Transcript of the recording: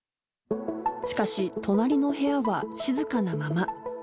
しかし隣の部屋は静かなまま。